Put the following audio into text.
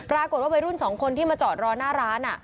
รากฏว่าวัยรุ่น๒คนที่มาจอดรอหน้าร้าน